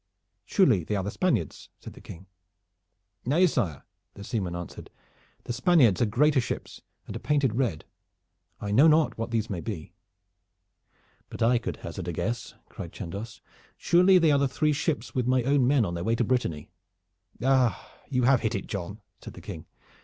"Surely they are the Spaniards?" said the King. "Nay, sire," the seaman answered, "the Spaniards are greater ships and are painted red. I know not what these may be." "But I could hazard a guess!" cried Chandos. "Surely they are the three ships with my own men on their way to Brittany." "You have hit it, John," said the King.